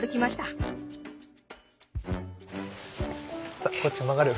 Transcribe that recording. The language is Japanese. さあこっち曲がる。